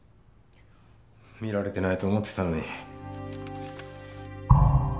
見られてないと思ってたのに。